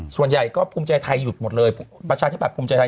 ส่วนใหญ่ก็ภูมิใจไทยหยุดหมดเลยประชาธิบัติภูมิใจไทย